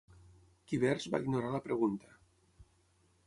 Quivers va ignorar la pregunta.